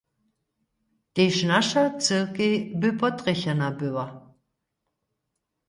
Tež naša cyrkej by potrjechena była.